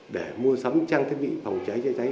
để mua sắm trang thiết bị phòng cháy chữa cháy